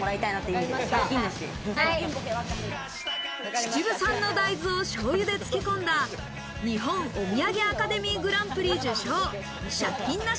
秩父産の大豆をしょうゆで漬け込んだ日本おみやげアカデミーグランプリ受賞、借金なし